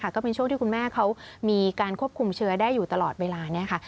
ก็เป็นช่วงที่คุณแม่เขามีการควบคุมเชื้อได้อยู่ตลอดเวลานี้ค่ะ